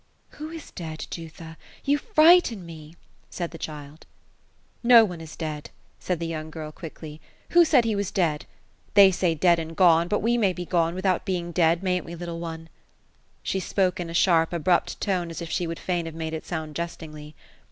"^ Who is dead, Jutha? You frighten me ;" said the child. " No one is dead ;" said the young girl, quickly, '* Who said he was dead ? They say dead and gone ; but wo may be gone, without being dead, mayn't we, little one ? She spoke in a sharp, abrupt tone, as if she would fain have made it sound jestingly.